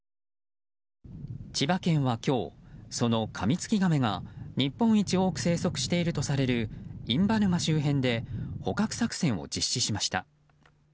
千葉県は今日そのカミツキガメが日本一多く生息しているとされる印旛沼周辺で捕獲作戦を実施しました。